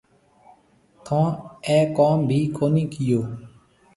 ٿونه اَي ڪوم ڀِي ڪونِي ڪيو۔